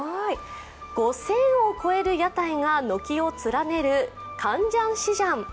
５０００を超える屋台が軒を連ねるクァンジャンシジャン。